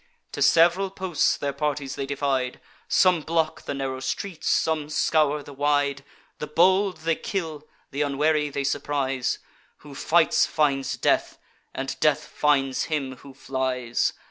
To sev'ral posts their parties they divide; Some block the narrow streets, some scour the wide: The bold they kill, th' unwary they surprise; Who fights finds death, and death finds him who flies.